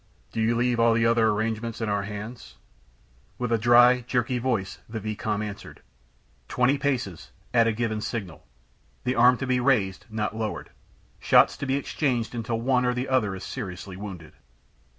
"Do you leave all the other arrangements in our hands?" With a dry, jerky voice the vicomte answered: "Twenty paces at a given signal the arm to be raised, not lowered shots to be exchanged until one or other is seriously wounded."